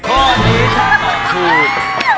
ข้อนี้ถ้าตอบถูก